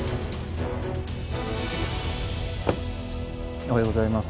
おはようございます。